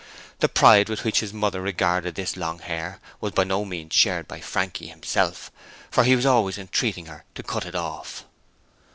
The pride with which his mother regarded this long hair was by no means shared by Frankie himself, for he was always entreating her to cut it off.